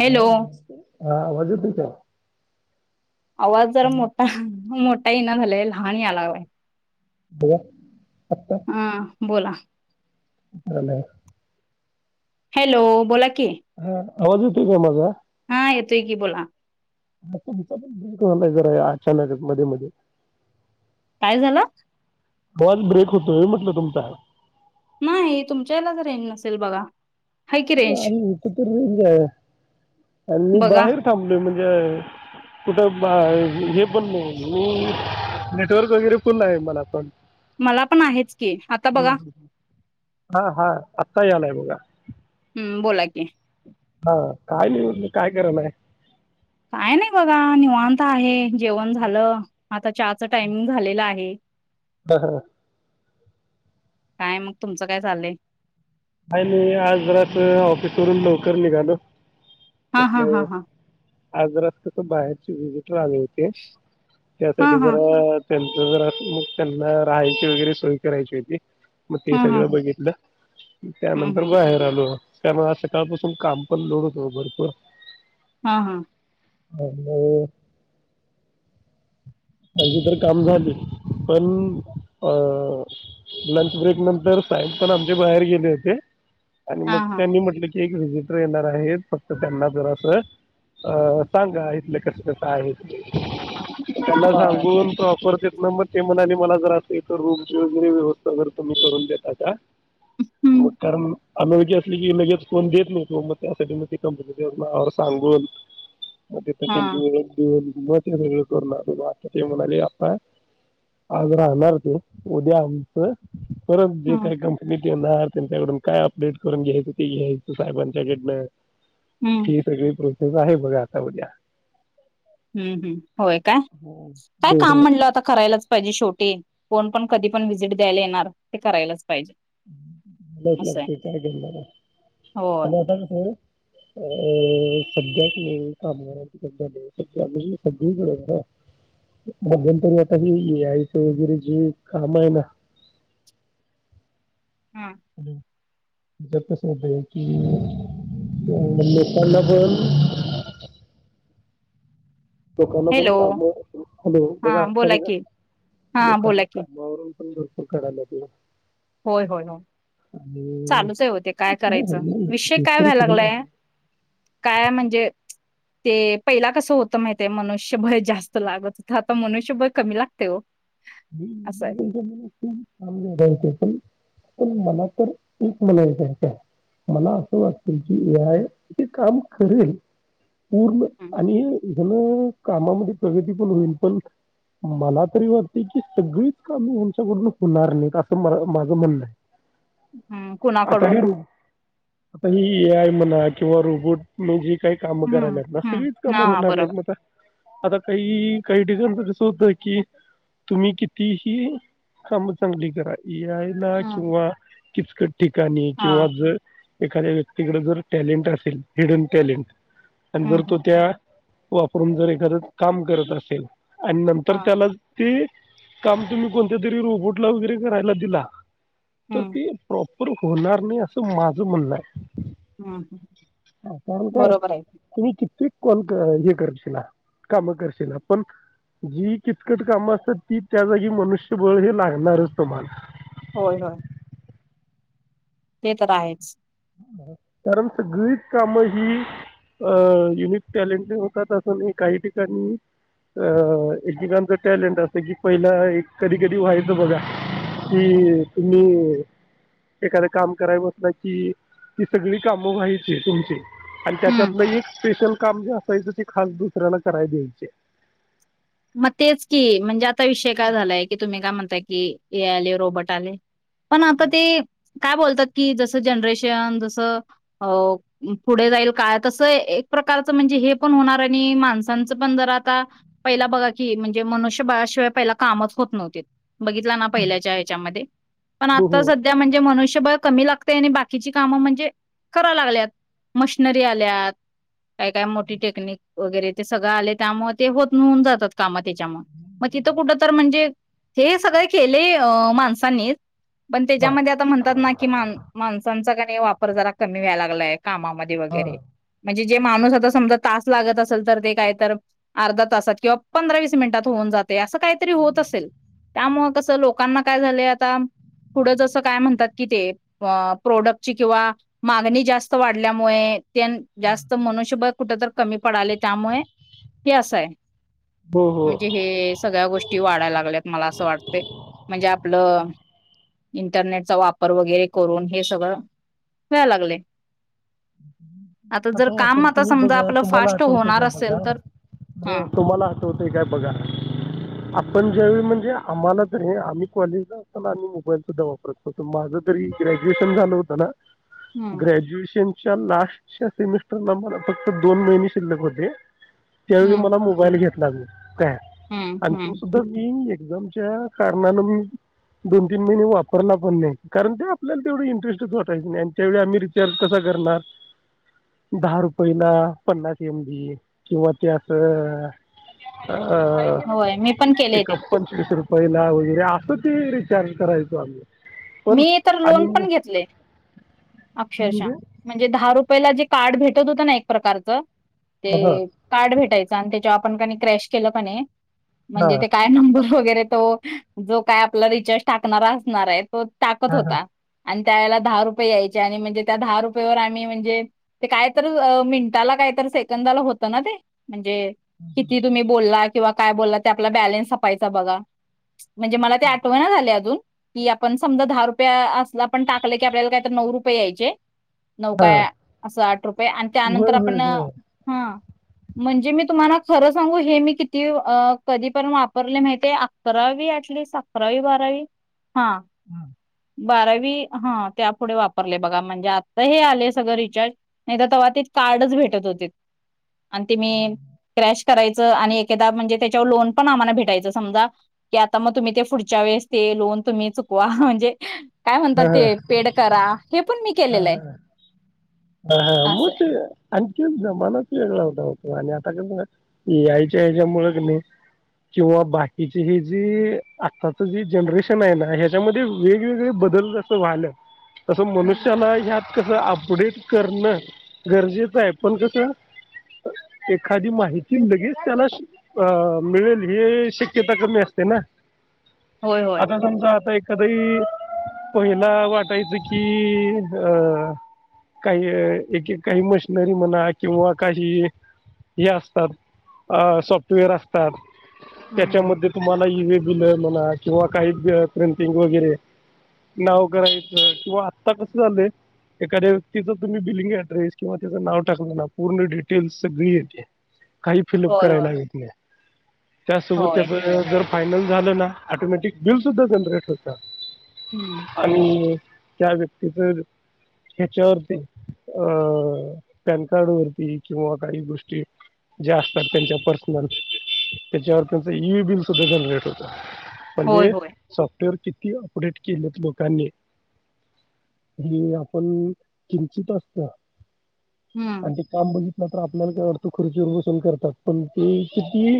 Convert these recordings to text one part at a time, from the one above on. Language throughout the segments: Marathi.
हॅलो ह न हा आवाज येतूय का आवाज जर हॅलो मोठा मोठा ईना झाला लहान याय लागलाय. बघा आत्ता? बोला. झालंय. हॅलो, बोला की. हा आवाज येतोय का माझा? हा येतोय की बोला. तुमचा पण [unintelligible] जरा अचानकच मध्ये मध्ये. काय झालं? कॉल ब्रेक होतोय म्हटलं तुमचा. नाही तुमच्या यालाच रेंज नसेल बघा. हाय की आ रेंज इथ तर रेंज आहे आणि मी बघा बाहेर थांबलोय. म्हणजे कुठं हे पण नाही नेटवर्क वगैरे फुल आहे मला पण. मला पण आहेच की आता बघा हा, हा आता यालाय बघ. हम्म बोला की हा काय नई म्हंटल काय करालाय? काय नाही बघा निवांत आहे. जेवण झालं आता चहाच टायमिंग झालेलं आहे. हा, हा. काय मग तुमचं काय चाललंय? काही नाही आज जरासं ऑफिसवरून लवकर निघालो. हा, हा, म्हटलं हा, हा. आज जरा कसं बाहेरचे विजिटर आले होते. हा त्यासाठी हा जरा त्यांच जरा मग त्यांना राहायची वगैरे सोय करायची होती. मग ते हा हा सगळं बघितलं हम्म त्यानंतर हम्म बाहेर आलो. त्यामुळे आज सकाळपासून काम पण लोड होत ओ भरपूर. हा, हा. [unintelligible] माझी तर काम झाली, पण अ लंच ब्रेकनंतर साहेब पण आमचे बाहेर गेले होते आणि हा मग हा त्यांनी म्हंटले की एक व्हिजिटर येणार आहेत. फक्त त्यांना जरासं अ सांगा इथले कसं कसं आहे ते. त्यांना बर सांगून प्रॉपर ना मग ते म्हणाले मला जर असं इथ रूम वगैरे व्यवस्था जरा तुम्ही करून देता का? हम्म मग कारण अनोळखी असली की लगेच कोन देत नाही रूम. मग त्यासाठी मग ती कंपनीच नाव वगैरे सांगून मग तिथे हा त्यांची [unintelligible] मग ते सगळं करून आलो. मग आता ते म्हणाले आता आज राहणार ते उद्या आमचं परत जे हम्म काय कंपनीत येणार त्यांच्याकडून काय अपडेट करून घ्यायचं ते घ्यायचं साहेबांच्याकडनं. हम्म ही सगळी प्रोसेस आहे बघा आता उद्या हम्म, हम्म. होय काय? हो काय काम हो म्हणल्यावर आता करायलाच पाहिजे शेवटी. कोण पण कधी पण व्हिजिट द्यायला येणार ते करायलाच पाहिजे करावेच असं आहे लागते काय करणार होय आणि आता कसं अ सध्या की नाही कामगाराची [unintelligible] सगळीकडे बघा मध्यंतरी आता हे ए आयच वगैरे जे काम आहे ना [inaudible] हा. याच्यात कसं होतंय की अ लोकांना पण ह [inaudible] लोकांना पण हॅलो काम हॅलो बघा हा असा हे बोला बघा की हा लोकांना बोला की कामावरून पण भरपूर कढायला लागले होय हो हो चालूच आहे होते काय हो, करायचं नाही, विषय हे काय तर व्हायला होणार लागलाय आहे काय म्हणजे [inaudible] ते पहिला कसं होतं माहितय आहे मनुष्यबळ जास्त लागत हो आता मनुष्यबळ कमी लागते ओ मम पण पण मला तर एक मला म्हणायचं काय मला असं वाटतय की एआय इथे काम करेल पूर्ण हम्म, आणि हेणं कामामध्ये प्रगती पण होईल पण मला तरी वाट सगळीच काम आच्याकडून होणार नाहीत असं माझं म्हणणंय हम्म, आता ह कुणाकडून रू आता ही म्हणा किंवा रोबोट म्हणजे काही कामं हम्म करायलात ना सगळीच हम्म हा कामं हा होणार बरोबर नाहीत मग आ आता काही काही ठिकाण असं होतं की तुम्ही कितीही काम चांगली करा एआयला हम्म किंवा किचकट ठिकाणी हा किंवा झ एखाद्या व्यक्तीकडे जर टॅलेंट असेल हिडन टॅलेंट आणि हम्म जर हम्म तो त्या वापरून जर एखादं काम करत असेल आणि नंतर हा त्याला काम तुम्ही कोणत्या तरी रोबोटला वैैगरे कराय दिला तर हम्म ते प्रोप होणार नाही असं माझं म्हणणं आहे हम्म पण का बरोबर आहे तुम्ही किती कोण हे करशिला काम करशिला पण जी किचकट काम असत ती त्या जागी मनुष्यबळ हे लागणारच तुमाला होय होय ते तर आहेच कारण सगळीच काम ही अं युनिक टॅलेंट होतात असं नाही काही ठिकाणी अ एकेकांच टॅलेंट असत कि पहिला कधी कधी व्हायचं बघा कि तुम्ही एखादं काम कराय बसला कि ती सगळी कामं व्हायची तुमची आणि हं. त्याच्यात एक स्पेशल काम जे असायचं ते खाल दुसऱ्याला कराय द्यायचे मग तेच की म्हणजे आता विषय काय झालाय की तुम्ही काय म्हणताय कि हे आले रोबोट आले पण आता ते काय बोलतात की जसं जनरेशन अं जसं पुढे जाईल काय तसं एक प्रकारच म्हणजे हे पण होणार आणि माणसांचं पण जरा आता पहिला बघा की म्हणजे मनुष्यबळाशिवाय पहि कामच होत नव्हतीत बघितला ना पहिल्याच्या ह्याच्यामध्ये पण हो आता हो सध्या म्हणजे मनुष्य बळ कमी लागतय आणि बाकीची काम म्हणजे कराय लागल्यात मशनरी आल्यात काय काय मोठी टेक्निक वगैरे ते सगळं आले त्यामुळे ते होत वुुन जातात काम त्याच्यामुळं म तिथं कुटतर म्ह हे सगळे केलेय माणसांनीच पण हा त्याच्यामध्ये आता म्हणतात ना की मा माणसांचा कनाय वापर जरा कमी व्हायला लागलाय कामामध्ये वगैरे म्हणजे जे माणूस आता समजा तास लागत असेल तर ते काय तर अर्धा तासात किंवा पंधरा विस मिनिटात होऊन जातय असं काहीतरी होत असेल त्यामुळं कसं लोकांना काय झालंय आता पुढं जसं काय म्हणतात की ते अं प्रोडक्टची किंवा मागणी जास्त वाढल्यामुळे तेेन जास्त मनुष्यबळ कुठं तर कमी पडलाय त्यामुळे हे असंय ब म्हणजे हे सगळ्या गोष्टी वाढायला लागल्यात मला असं वाटत म्हणजे आपलं इंटरनेटचा वापर वगैरे करून हे सगळं व्हाया लागलय आता वापर आता तुम्ही समजा बघा आपलं तुम्हाला फास्ट आठवते होणार काय बघा असेल तर हा तुम्हाला आटवत काय बघा आपण ज्यावेळी म्हण णे आम्हाला ज हे आम्ही कॉलेजला असताना मोबाईल सुद्धा वापरत होतो. माझं जरी ग्रॅज्युएशन झाल. होताना हम्म ग्रॅज्युएशनच्या लास्टच्या सेमिस्टरला मला फक्त दोन महिने शिल्लक होते. त्यावेळी हम्म मला मोबाईल घेतला मी, काय हम्म आणि तो हम्म सुद्धा मी झमच्या कारणानं मी दोन तीन महिने वापरला पण नाही, कारण ते आपल्याला तेवढं इंटरेटच वाटायच नाही, आणि त्याळी आम्ही रिचार् कसा करणार दहा रुपयला पन्नास एम बी, किंवा ते असं अ होय मी पण केले एक ते पंचवीस रुपये पैला वगैरे असं ते रिचार्ज करायचो आमी. मी तर लोन पण घेतले अक्षरश. म्हणजे म्हणजे दहा रुपयला जे कार्ड भेटत होतं ना एक प्रकारचं हा ते कार्ड भेटायचं, आणि त्याच्या क्रश केलं पणे, हा म्हणजे ते काय नंबर वगैर जो काय आपला रिचार्ज टाकणार असणार आहे तो टाकत हा हा होता. आणि त्यावेेळेला दहा रुपये यायचे, आणि म्हणजे त्या दहा रुपयेवर आम्ही म्हणजे ते काय तर मिनटाला काय कात सेकंदाला होत ना ते. म्हणजे किती तुम्ही बोलला, किंवा काय बोलला ते आपला बॅलन्सपायचा बघा. म्हणजे मला ते आठवना झाले अजून की आपण समजा दहा रुप असला पण टाकलं की आपल्याला काय तर नऊ रुपये यायचे. नौका हा. असं आठ रुपये आणि, होय त्यानंतर होय आपण होय हा म्हणजे मी तुम्हाला खर सांगू, हे मी किती कधी पर्य वापर मा अकरा ऍटलीस्ट अकरावी बारावी हा बारावी हा त्या पुुढे वापरले बघा म्हणजे, आता हे आले सगळं रिचार्ज नाही तर तेव्हा ते कार्डच भेटत होते आणि ते मी क्रॅश करायचं आणि एखादा म्हणजे, त्याच्यावर लोन पण आम्हाला भेटायचं समजा की आता मग तुम्ही ते पुढच्या लोन तुम्ही चुकवा म्हणजे काय म्हणतात, हा, हा, ते पेड करा हे पण हा केलेलं आहे हा हा हा म असं आहे. ते. आणखी जमानाच वेगळा होता हो तो. आणि आता कस ए आय च्या याच्या मुळं नाही. किंवा बाकीचे हे जे आताच जे जनरेशन आहे ना, ह्याच्यामध्ये वेगवेगळे बदल जस व्हायल तास हं. मनुष्याला ह कस अपडेट करणं गरजेचं आहे, पण कसं एखादी माहिती लगेच त्याला अ मिळेल हे शक्यता कमी असते. तेना्हा होय, होय. आता समजा आता एखाद पहिला वाटायचं कि अ काही एक काही मशनरी म्हणा, किंवा काही हे असतात, सॉफ्टवेअर असतात, हं. त्याच्यामध्ये तुम्हाला इ व पिलर म्हणा किंवा काही प्रिंटिंग वगैरे नाव करायचं किंवा आत्ता कसं झालंय. एखाद्या व्यक्तीच तुम्ही बिलिंग ऍड्रेस किंवा त्याचं नाव टाकला ना पूर्ण डिटेल्स सगळी येती काही फिलअप होय, होय. करायलागेत नाही. त्यासोबत त्या होय. जर फायनल झालं ना, ऑटोमॅटिक बिल सुद्धा जनरेट होतं. हं. आणि त्या व्यक्ती तर ह्याच्यावरती अ पॅन कार्ड वरती किंवा काही गोष्टी जे असतात त्यांच्या पर्सनल त्याच्यावर त्यांच ईई बिल सुद्धा जनरेट होत. होय, म्हणजे होय. सॉफ्टवेअर किती अपडेट केलेत लोकांनी हे आपण किंचित असत, हम्म. आणि ते काम बघित न तर आपल्याला काय वाटतं खुर्चीवरर वसून करतात पण ते किती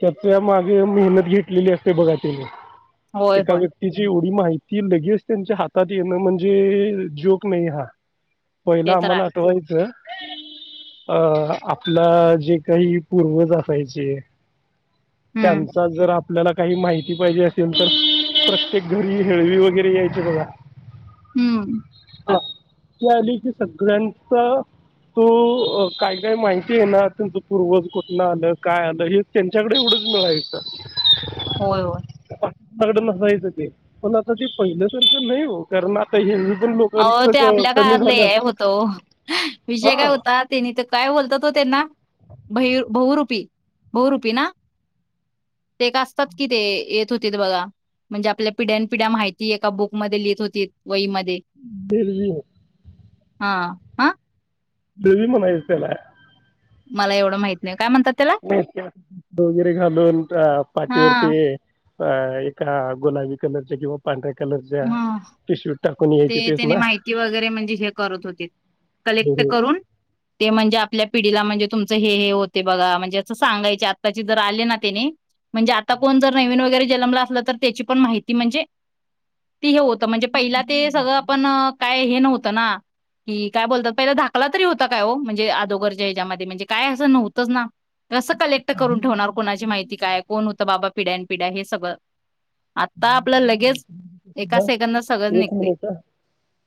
त्याच्या मागे मेहनत घेतलेली असते बघा त्यांनी होय, एका होय. व्यक्तीची एवढी माहिती लगेच त्यांच्या हातात येणं म्हण म्हणे जोक नाही हा पहिला ते तर आम्हाला आहे. आठवायचं अ आपला जे काही पूर्वज असायचे हम्म. त्यांचा जर आप आपल्याला काही माहिती पाहिजे असेल तर प्रत्येक घरी हेळवी वगैरे यायची बघा हम्म हा त आली की सगळ्यांच तो काय काय माहिती आहे ना तुमच पूर्वज कोुठन आलं काय आलं हे त्यांच्याकडे एवढं कळायच होय होय ड नसाायचं ते पण आता ते पहिलं सारखं नाही हो कारण आता हे अ ते आपल्या काळात हे होतो विषय हा काय होता त्यांनी ते काय बोलतात हो त्यांना बहुरूपी बहुरूपी ना ते असतात कि ते येत होते बघा म्हणजे आपल्या पिढ्यान पिढ्या माहिती एका बुकमध्ये लिहित होती वईमध्ये बर हा हा देवी म्हणायचं त्याला मला एवढं माहित नाही काय म्हणतात त्याला? वगैरे घालून अ हां. पाठीवरती अ एका गुलाबी कलरच्या किंवा पांढऱ्या कलरच्या हां. पिशवी टाक ते त्याने माहिती वगैरे म्हणजे हे करत होतीत हे- कलेक्ट हे. करून ते म्हणजे आपल्या पिढीला म्हणजे तुमचं हे हे होते बघा म्हणजे असं सांगायचे आत्ताचे जर आले ना त्यानी म्हणजे आता कोण जर नवीन वगैरे जन्मला असलं तर त्याची पण माहिती म्हणजे [unintelligible] ती हे होतं म्हणजे पहिला पण काय हे नव्हतं ना कि काय बोलतात पहिला धाकला तरी होता काय हो म्हणजे आदोगरच्या ह्याच्यामध्ये म्हणजे काय असं नव्हतंच ना कसं कलेक्ट करून ठेवणार कोणाची माहिती काय कोण होतं बाबा पिड्यान पिढ्या हे सगळं आता आपलं तुला लगेच माहिती नसेल एका ना? सेकंदला सगळं निघ [inaudible]